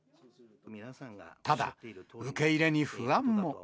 ただ、受け入れに不安も。